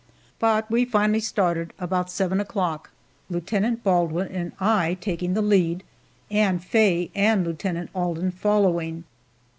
But we finally started, about seven o'clock, Lieutenant Baldwin and I taking the lead, and Faye and Lieutenant Alden following.